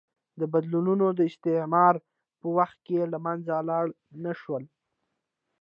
دا بدلونونه د استعمار په وخت کې له منځه لاړ نه شول.